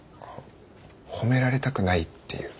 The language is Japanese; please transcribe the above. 褒められたくないっていう？